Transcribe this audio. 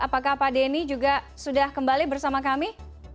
apakah pak denny juga sudah kembali bersama kami